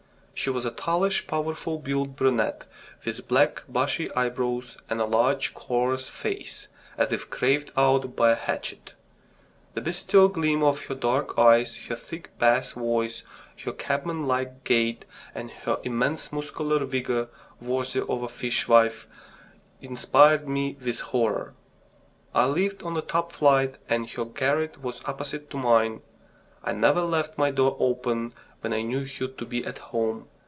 She was a tallish, powerfully built brunette, with black, bushy eyebrows and a large coarse face as if carved out by a hatchet the bestial gleam of her dark eyes, her thick bass voice, her cabman like gait and her immense muscular vigour, worthy of a fishwife, inspired me with horror. I lived on the top flight and her garret was opposite to mine. I never left my door open when I knew her to be at home.